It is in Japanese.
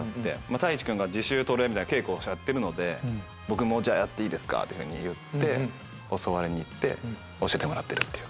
太一君が自主トレみたいな稽古をやってるので僕もじゃあやっていいですかっていうふうに言って教わりに行って教えてもらってるっていう感じです。